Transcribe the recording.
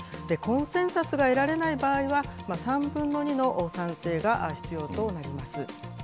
コンセンサスが得られない場合は、３分の２の賛成が必要となります。